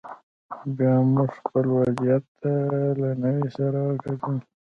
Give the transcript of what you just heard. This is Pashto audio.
بیا موږ خپل وضعیت ته له نوي سره وکتل